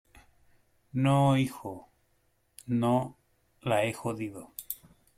no, hijo , no. la he jodido .